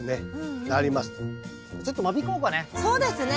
ちょっと間引こうかね。